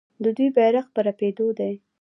د دوی بیرغ په رپیدو دی.